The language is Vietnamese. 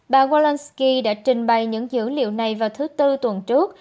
bà zalensky đã trình bày những dữ liệu này vào thứ tư tuần trước